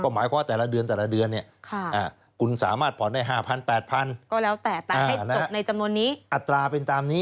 หมายความว่าแต่ละเดือนคุณสามารถผ่อนได้๕๐๐๐๘๐๐๐